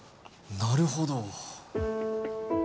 なるほど。